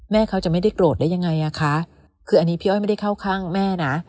แม่เขาจะไม่ได้โกรธได้ยังไงอ่ะคะคืออันนี้พี่อ้อยไม่ได้เข้าข้างแม่นะ